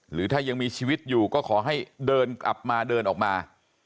หรือถ้ายังมีชีวิตอยู่ก็ขอให้เดินออกมา